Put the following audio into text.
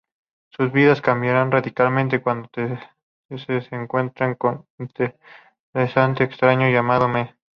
Sus vidas cambian radicalmente cuando Tes se encuentra con un interesante extraño llamado Mel.